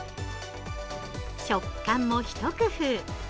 食感もひと工夫。